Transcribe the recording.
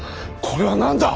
これは何だ！